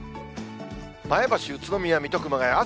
前橋、宇都宮、水戸、熊谷。